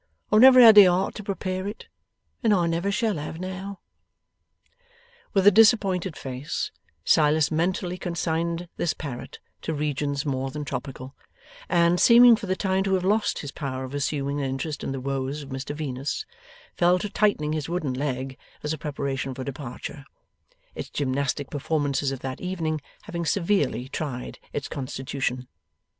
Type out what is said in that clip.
I've never had the heart to prepare it, and I never shall have now.' With a disappointed face, Silas mentally consigned this parrot to regions more than tropical, and, seeming for the time to have lost his power of assuming an interest in the woes of Mr Venus, fell to tightening his wooden leg as a preparation for departure: its gymnastic performances of that evening having severely tried its constitution.